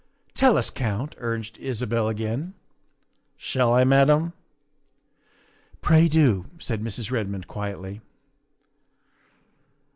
''" Tell us, Count," urged Isabel again. " Shall I, Madame?" " Pray do," said Mrs. Redmond quietly.